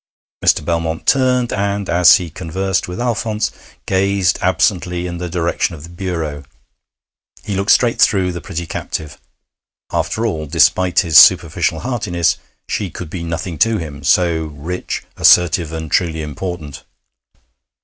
Mr. Belmont turned, and, as he conversed with Alphonse, gazed absently in the direction of the bureau. He looked straight through the pretty captive. After all, despite his superficial heartiness, she could be nothing to him so rich, assertive, and truly important.